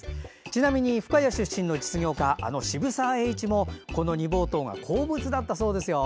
ちなみに深谷出身の実業家あの渋沢栄一もこの煮ぼうとうが好物だったそうですよ。